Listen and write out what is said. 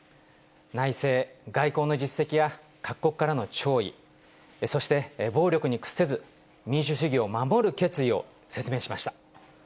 内政・外交の実績や、各国からの弔意、そして、暴力に屈せず、民主主義を守る決意を説明しました。